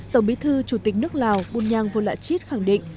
tổng bí thư chủ tịch nước lào bùn nhang vô lạ chít khẳng định